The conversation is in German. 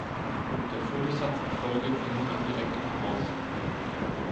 Der Fotosatz erfolge von nun an direkt im Haus.